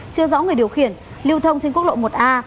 chưa rõ người điều khiển lưu thông trên quốc lộ một a